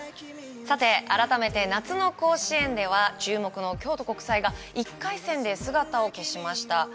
さて、改めて夏の甲子園では注目の京都国際が１回戦で姿を消しました。